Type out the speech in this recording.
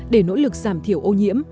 để nỗ lực giảm thiểu ô nhiễm